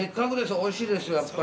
おいしいですよ、やっぱり。